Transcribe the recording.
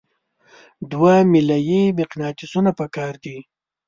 دوه میله یي مقناطیسونه پکار دي.